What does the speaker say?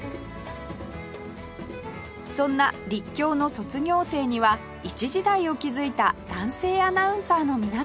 そんな立教の卒業生には一時代を築いた男性アナウンサーの皆さんが